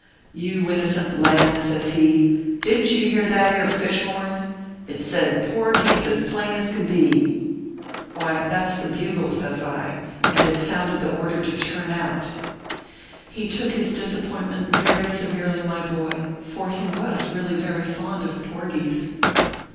"You innocent lamb/ says he, "didn t you hear that ere fish horn. It said e porgies/ as plain as could be." " Why, that s the bugle," says I, " and it sounded the order to turn out." 84 ORPHEUS C. KERR PAPERS. He took his disappointment very severely, my boy, for he was really very fond of porgies.